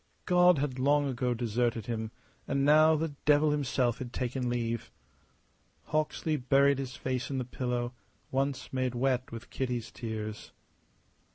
God had long ago deserted him, and now the devil himself had taken leave. Hawksley buried his face in the pillow once made wet with Kitty's tears.